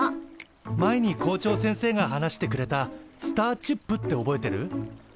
前に校長先生が話してくれたスターチップって覚えてる？